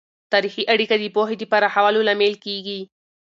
تاریخي اړیکه د پوهې د پراخولو لامل کیږي.